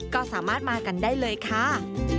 ก็สามารถมากันได้เลยค่ะ